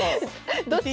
どっち？